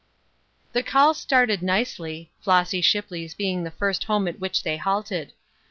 The calls started nicely. Flossy Shipley's be ing the first home at which they halted.